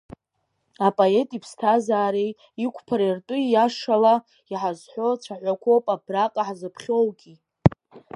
Апоет иԥсҭазаареи, иқәԥареи ртәы иашала иҳазҳәо цәаҳәақәоуп абраҟа ҳзыԥхьоугьы…